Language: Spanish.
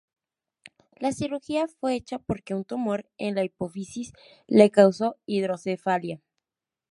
La cirugía fue hecha porque un tumor en la hipófisis le causó hidrocefalia.